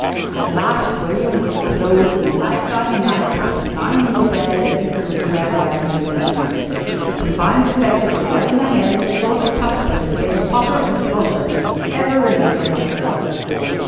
At last William was clothed in the nightgown and nightcap and lying in the bed ready for little Red Riding Hood's entrance. The combined effect of the rug and the head and the thought of Cuthbert had made him hotter and crosser than he ever remembered having felt before.